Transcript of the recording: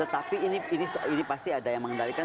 tapi ini pasti ada yang mengendalikan